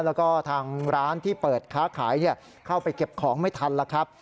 แล้วก็ทางร้านที่เปิดค้าขายเข้าไปเก็บของไม่ทันแล้วครับ